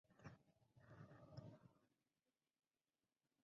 Su principal motivación era económica.